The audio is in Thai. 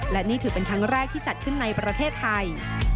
และนี่ถือเป็นครั้งแรกที่จัดขึ้นในประเทศไทย